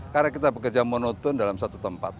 karena kita bekerja monotone dalam suatu tempat